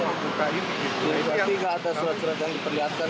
jadi pasti tidak ada surat surat yang diperlihatkan